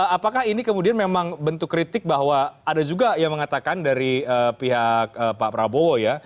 apakah ini kemudian memang bentuk kritik bahwa ada juga yang mengatakan dari pihak pak prabowo ya